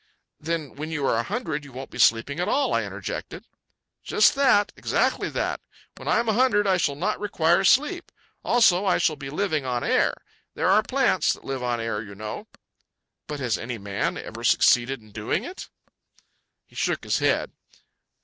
"Then when you are a hundred you won't be sleeping at all," I interjected. "Just that. Exactly that. When I am a hundred I shall not require sleep. Also, I shall be living on air. There are plants that live on air, you know." "But has any man ever succeeded in doing it?" He shook his head.